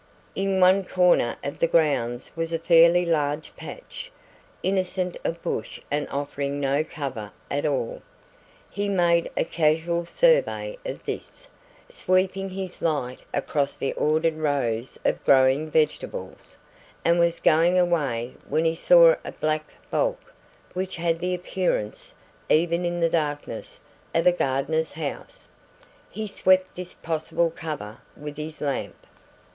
In one corner of the grounds was a fairly large patch, innocent of bush and offering no cover at all. He made a casual survey of this, sweeping his light across the ordered rows of growing vegetables, and was going away when he saw a black bulk which had the appearance, even in the darkness, of a gardener's house. He swept this possible cover with his lamp.